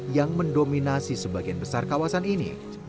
yang mendominasi sebagian besar kawasan ini